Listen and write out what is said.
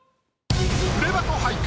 『プレバト』俳句